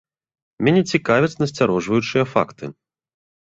Мяне цікавяць насцярожваючыя факты.